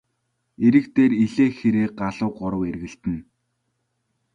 Эрэг дээр элээ хэрээ галуу гурав эргэлдэнэ.